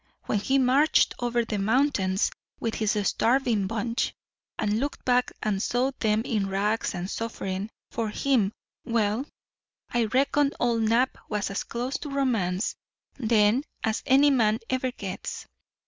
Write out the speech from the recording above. When he marched over the mountains with his starving bunch and looked back and saw them in rags and suffering for him well I reckon old Nap was as close to romance then as any man ever gets."